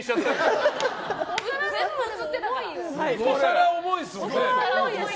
お皿重いですもんね。